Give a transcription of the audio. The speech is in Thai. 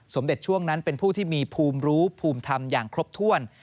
ช่วงนั้นเป็นผู้ที่มีภูมิรู้ภูมิธรรมอย่างครบถ้วน